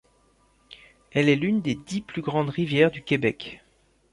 Elle est l’une des dix plus grandes rivières du Québec.